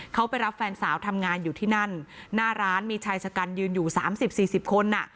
เขาไปรับแฟนสาวทำงานอยู่ที่นั่นหน้าร้านมีชายชะกันยืนอยู่สามสิบสี่สิบคนอ่ะ